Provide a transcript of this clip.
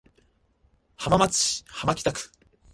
浜松市浜北区